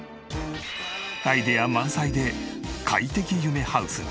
アイデア満載で快適夢ハウスに。